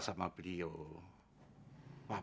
yang terlalu coklat